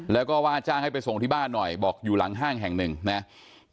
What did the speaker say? แล้วก็ว่าจ้างให้ไปส่งที่บ้านหน่อยบอกอยู่หลังห้างแห่งหนึ่งนะครับ